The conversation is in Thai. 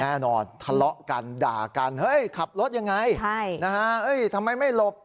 แน่นอนทะเลาะกันด่ากันเฮ้ยขับรถยังไงใช่นะฮะทำไมไม่หลบ